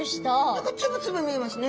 何かつぶつぶ見えますね。